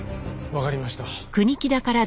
わかりました。